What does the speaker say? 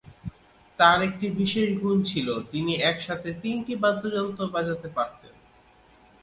তার একটি বিশেষ গুণ ছিল তিনি একসাথে তিনটি বাদ্যযন্ত্র বাজাতে পারতেন।